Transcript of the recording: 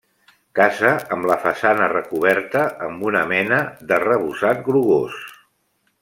Casa amb la façana recoberta amb una mena d'arrebossat grogós.